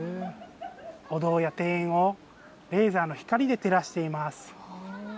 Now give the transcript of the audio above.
お堂や庭園をレーザーの光で照らします。